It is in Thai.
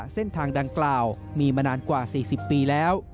เส้นทางดังกล่าวมีมานานกว่า๔๐ปีแล้ว